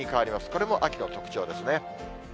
これも秋の特徴ですね。